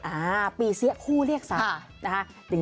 อ่าปีเสี้ยคู่เรียกสัก